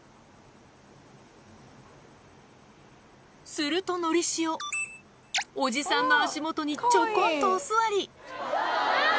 するとのりしおおじさんの足元にちょこんとお座りかわいい。